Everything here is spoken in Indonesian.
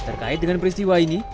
terkait dengan peristiwa ini